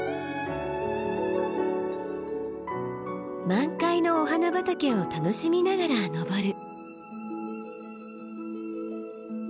満開のお花畑を楽しみながら登る。